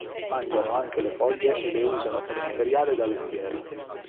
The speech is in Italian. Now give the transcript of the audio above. Mangiano anche le foglie e le usano per materiale da lettiera.